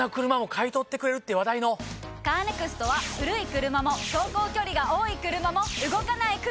カーネクストは古い車も走行距離が多い車も動かない車でも。